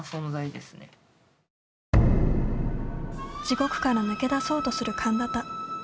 地獄から抜け出そうとするカンダタ。